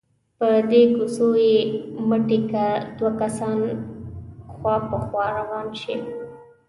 په دې کوڅو کې په مټې که دوه کسان خوا په خوا روان شي.